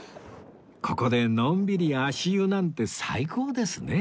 ここでのんびり足湯なんて最高ですね